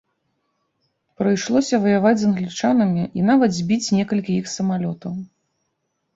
Прыйшлося ваяваць з англічанамі і нават збіць некалькі іх самалётаў.